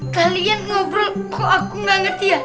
kalian ngobrol kok aku gak ngerti ya